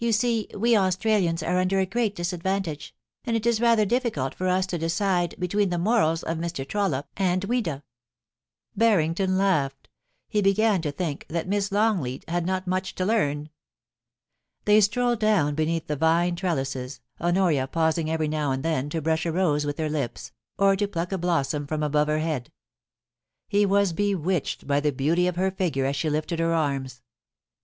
see we Australians are under a great disadvantage, and it is rather difficult for us to decide be tween the morals of Mr. Trollope and Ouida.* Barrington laughed He began to think that Miss Long leat had not much to learn. They strolled down beneath the vine trellises, Honoria pausing every now and then to brush a rose with her lips, or to pluck a blossom from above her head He was bewitched by the beauty of her figure as she lifted her arms.